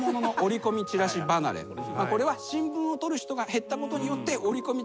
これは新聞を取る人が減ったことによって折り込み